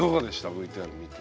ＶＴＲ見て。